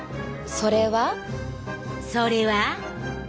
それは。それは。